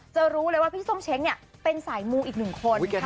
จะรู้เลยว่าพี่ส้มเช้งเนี่ยเป็นสายมูอีกหนึ่งคนนะคะ